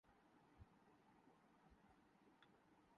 Route permit سیاسی بنیادوں پہ ملتے تھے۔